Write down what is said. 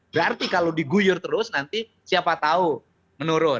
berarti kalau diguyur terus nanti siapa tahu menurun